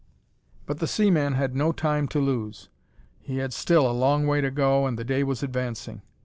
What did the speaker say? But the seaman had no time to lose. He had still a long way to go, and the day was advancing.